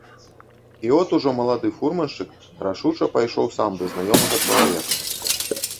І от ужо малады фурманшчык рашуча пайшоў сам да знаёмага чалавека.